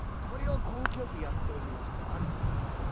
これを根気よくやっておりますとある日のこと。